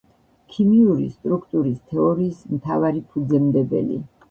ქიმიური სტრუქტურის თეორიის მთავარი ფუძემდებელი.